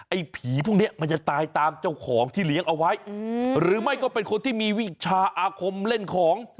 ไอ้ผีพวกนี้มันจะตายตามเจ้าของที่เลี้ยงเอาไว้หรือไม่ก็เป็นคนที่มีวิชาอาคมเล่นของ